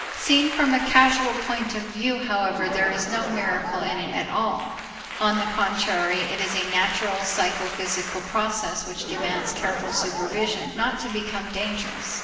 Seen from a causal point of view, however, there is no miracle in it at all. On the contrary, it is a natural psychophysical process which demands careful supervision not to become dangerous.